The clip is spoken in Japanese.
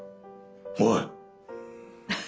おい。